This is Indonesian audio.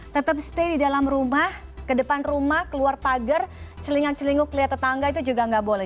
tetap stay di dalam rumah ke depan rumah keluar pagar celingak celinguk lihat tetangga itu juga nggak boleh